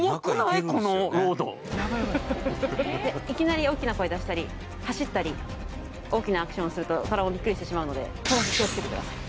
いきなり大きな声出したり走ったり大きなアクションをするとトラもびっくりしてしまうのでそれだけ気をつけてください